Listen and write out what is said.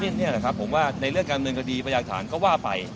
เท่าที่เนี่ยแหละครับผมว่าในเรื่องการเมินคดีประหยักฐานก็ว่าไป